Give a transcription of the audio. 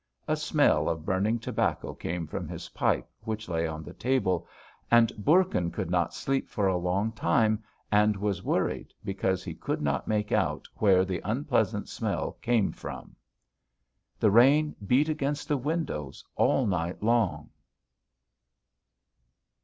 A smell of burning tobacco came from his pipe which lay on the table, and Bourkin could not sleep for a long time and was worried because he could not make out where the unpleasant smell came from. The rain beat against the windows all night long.